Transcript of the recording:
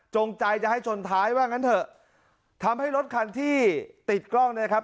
ใจจะให้ชนท้ายว่างั้นเถอะทำให้รถคันที่ติดกล้องนะครับ